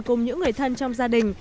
cùng những người thân trong gia đình